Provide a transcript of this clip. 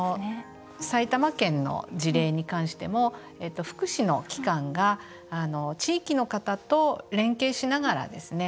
埼玉県の事例に関しても福祉の機関が地域の方と連携しながらですね